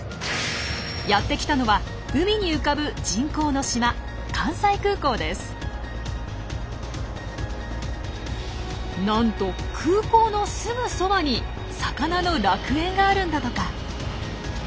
やって来たのは海に浮かぶ人工の島なんと空港のすぐそばに魚の楽園があるんだとか。